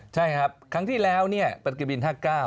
ใช่ครับครั้งที่แล้วประตูกรีบิน๕๙